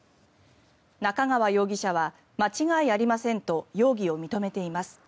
中川容疑者は間違いありませんと容疑を認めています。